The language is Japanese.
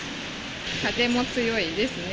風も強いですね。